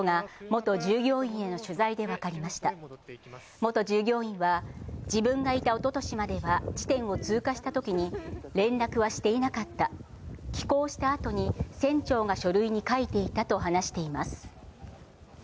元従業員は、自分がいたおととしまでは、地点を通過したときに連絡はしていなかった、帰港したあとに、船長が書類に書いていたと話しています。